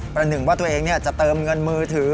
หนึ่งว่าตัวเองจะเติมเงินมือถือ